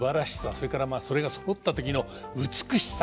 それからそれがそろった時の美しさ。